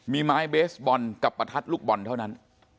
มีไม้เบสบอลกับประทัดลูกบอลเท่านั้น